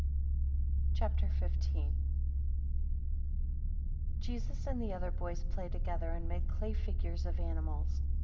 CHAPTER XV. 1 Jesus and other boys play together, and make clay figures of animals.